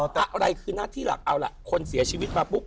แต่อะไรคือหน้าที่หลักเอาล่ะคนเสียชีวิตมาปุ๊บ